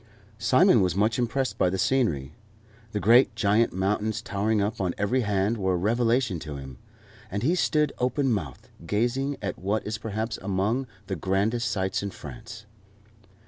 Simon was much impressed by the scenery. The great giant mountains towering up on every hand were a revelation to him, and he stood open mouthed, gazing at what is perhaps among the grandest sights in France.